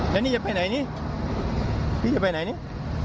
แล้วนี่จะไปไหนนี่พี่จะไปไหนนี่